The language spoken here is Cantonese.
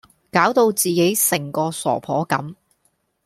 攪到自己成個傻婆咁